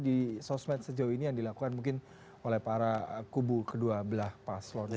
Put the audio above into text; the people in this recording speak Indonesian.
di sosmed sejauh ini yang dilakukan mungkin oleh para kubu kedua belah paslon